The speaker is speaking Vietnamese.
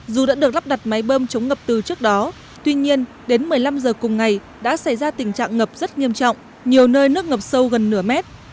dù đã được lắp đặt máy bơm chống ngập từ trước đó tuy nhiên đến một mươi năm giờ cùng ngày đã xảy ra tình trạng ngập rất nghiêm trọng nhiều nơi nước ngập sâu gần nửa mét